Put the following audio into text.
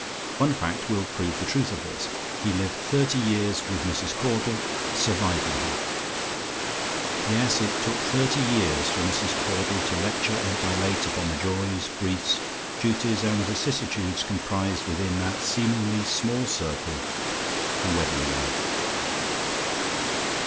One fact will prove the truth of this. He lived thirty years with Mrs. Caudle, surviving her. Yes, it took thirty years for Mrs. Caudle to lecture and dilate upon the joys, griefs, duties, and vicissitudes comprised within that seemingly small circle the wedding ring.